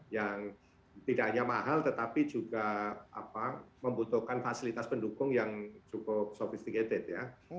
yang tidak hanya mahal tetapi juga membutuhkan fasilitas pendukung yang cukup sophisticated ya